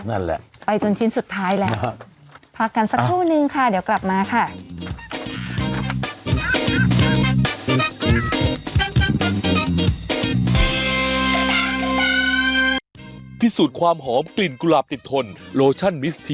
นั่นแหละไปจนชิ้นสุดท้ายแล้วพักกันสักครู่นึงค่ะเดี๋ยวกลับมาค่ะ